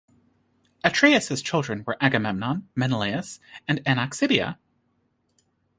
Atreus' children were Agamemnon, Menelaus, and Anaxibia.